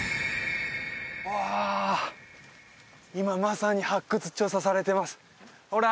うわ今まさに発掘調査されてますオラ！